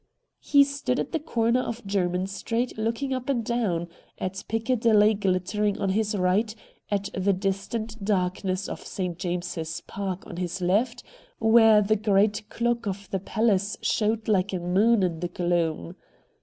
He stood at the corner of Jermyn Street looking up and down : at Piccadilly ghttering on his right, at the distant darkness of St. James's Park on his left, where the great clock of the palace showed like a moon in the gloom.